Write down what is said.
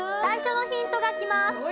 最初のヒントがきます。